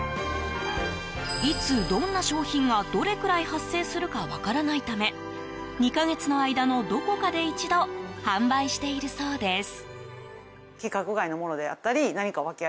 いつ、どんな商品がどれくらい発生するか分からないため２か月の間のどこかで１度販売しているそうです。